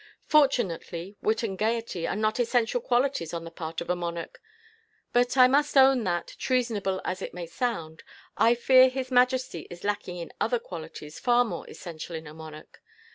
"Fortunately, wit and gaiety are not essential qualities on the part of a monarch; but I must own that, treasonable as it may sound, I fear His Majesty is lacking in other qualities, far more essential in a monarch.